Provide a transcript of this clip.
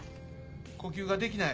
呼吸ができない。